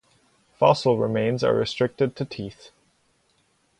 Fossil remains are restricted to teeth.